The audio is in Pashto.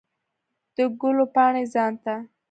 د ګلو پاڼې ځان ته